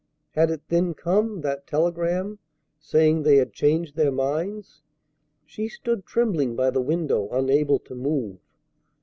Had it then come, that telegram, saying they had changed their minds? She stood trembling by the window, unable to move.